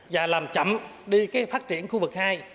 và làm chậm đi cái phát triển khu vực hai